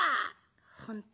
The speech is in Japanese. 「本当？